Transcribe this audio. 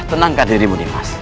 tenangkan dirimu nimas